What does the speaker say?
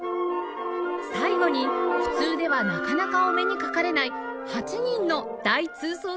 最後に普通ではなかなかお目にかかれない８人の大通奏